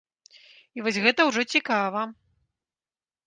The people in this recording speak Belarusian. І вось гэта ўжо цікава.